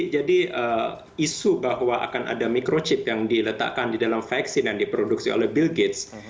jadi isu bahwa akan ada microchip yang diletakkan di dalam vaksin yang diproduksi oleh bill gates